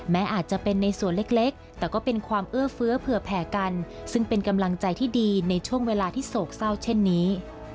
อาจจะเป็นในส่วนเล็กแต่ก็เป็นความเอื้อเฟื้อเผื่อแผ่กันซึ่งเป็นกำลังใจที่ดีในช่วงเวลาที่โศกเศร้าเช่นนี้